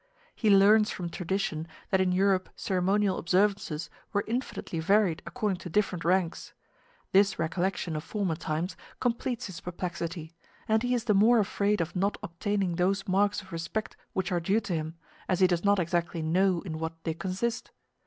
He learns from tradition that in Europe ceremonial observances were infinitely varied according to different ranks; this recollection of former times completes his perplexity, and he is the more afraid of not obtaining those marks of respect which are due to him, as he does not exactly know in what they consist.